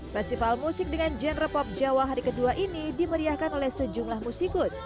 festival musik dengan genre pop jawa hari kedua ini dimeriahkan oleh sejumlah musikus